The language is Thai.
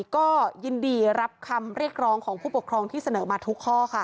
ก็ยินดีรับคำเรียกร้องของผู้ปกครองที่เสนอมาทุกข้อค่ะ